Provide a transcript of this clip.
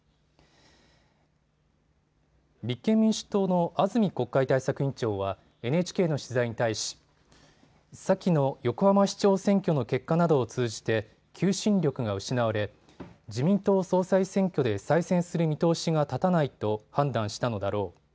立憲民主党の安住国会対策委員長はＮＨＫの取材に対し先の横浜市長選挙の結果などを通じて求心力が失われ自民党総裁選挙で再選する見通しが立たないと判断したのだろう。